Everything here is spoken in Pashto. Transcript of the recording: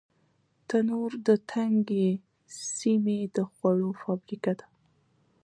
تنور د تنګې سیمې د خوړو فابریکه ده